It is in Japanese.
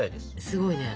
すごいね。